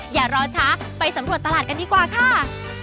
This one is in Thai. อย่ารอช้าไปสำรวจตลาดกันดีกว่าค่ะ